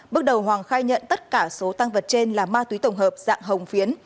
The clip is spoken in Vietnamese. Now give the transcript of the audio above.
bước đầu hoàng khai nhận tất cả số tăng vật trên là ma túy tổng hợp dạng hồng phiến